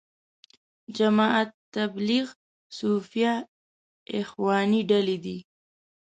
جماعت تبلیغ، صوفیه، اخواني ډلې دي.